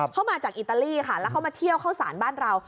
เขามาจากอิตาลีค่ะแล้วเขามาเที่ยวเข้าสารบ้านเรา